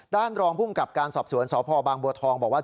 ด้านรองผู้มกับการสอบสวนสบางบัวทองบอกว่า